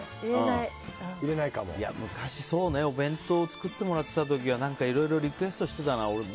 昔お弁当作ってもらってた時はいろいろリクエストしてたな。